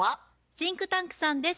シンクタンクさんです。